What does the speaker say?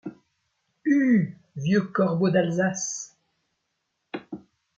Hue ! vieux corbeau d’Alsace !...